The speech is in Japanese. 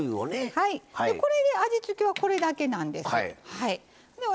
味付けはこれだけなんですよ。